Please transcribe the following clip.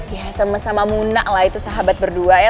ya sama sama muna lah itu sahabat berdua ya